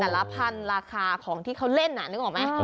แต่ละพันธุ์ราคาของที่เขาเล่นน่ะนึกออกไหม